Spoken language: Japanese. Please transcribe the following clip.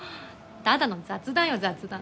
ただの雑談よ雑談。